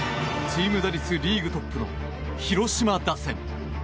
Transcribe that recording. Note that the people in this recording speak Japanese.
チーム打率リーグトップの広島打線。